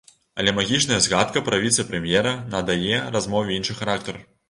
Але магічная згадка пра віцэ-прэм'ера надае размове іншы характар.